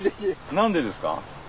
何でですか？